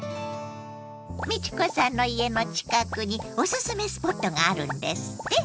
美智子さんの家の近くにおすすめスポットがあるんですって？